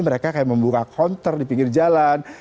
mereka kayak membuka counter di pinggir jalan